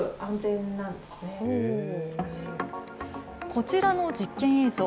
こちらの実験映像。